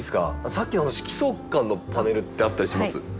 さっきの色相環のパネルってあったりします？